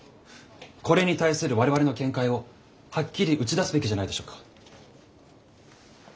これに対する我々の見解をはっきり打ち出すべきじゃないでしょうか。